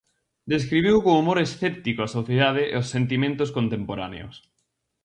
Describiu con humor escéptico a sociedade e os sentimentos contemporáneos.